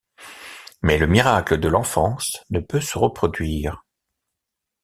Mais le miracle de l'enfance ne peut se reproduire.